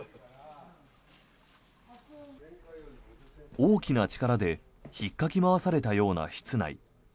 大きな力で引っかき回されたような室内。